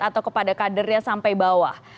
atau kepada kadernya sampai bawah